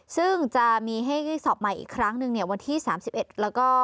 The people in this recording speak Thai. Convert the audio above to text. ซึ่งจะมีให้สอบใหม่อีกครั้งหนึ่งเนี่ยวันที่๓๑แล้วก็